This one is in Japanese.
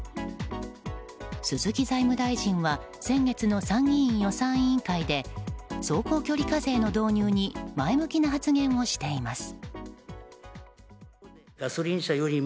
鈴木財務大臣は先月の参議院予算委員会で走行距離課税の導入に前向きな発言をしています。